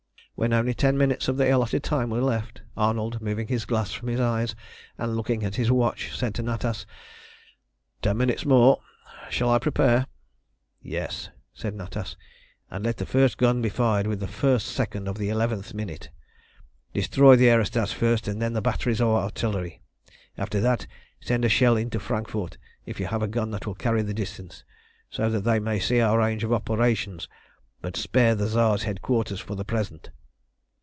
When only ten minutes of the allotted time were left, Arnold, moving his glass from his eyes, and looking at his watch, said to Natas "Ten minutes more; shall I prepare?" "Yes," said Natas. "And let the first gun be fired with the first second of the eleventh minute. Destroy the aerostats first and then the batteries of artillery. After that send a shell into Frankfort, if you have a gun that will carry the distance, so that they may see our range of operations; but spare the Tsar's headquarters for the present."